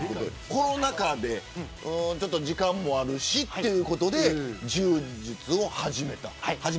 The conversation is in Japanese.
コロナ禍で時間もあるしということで柔術を始めた。